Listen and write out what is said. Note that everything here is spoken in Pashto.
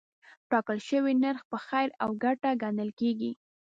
ټاکل شوی نرخ په خیر او ګټه ګڼل کېږي.